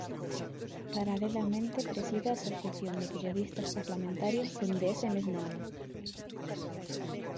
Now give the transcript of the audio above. Paralelamente preside a Asociación de Periodistas Parlamentarios dende ese mesmo ano.